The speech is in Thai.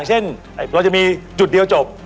ฉะนั้นก็ยังมีจุดเดียวจบ